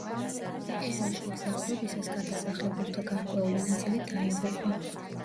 ოკეანეში მგზავრობისას გადასახლებულთა გარკვეული ნაწილი დაიღუპა.